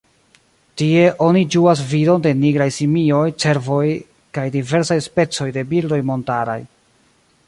Tie oni ĝuas vidon de nigraj simioj, cervoj kaj diversaj specoj de birdoj montaraj.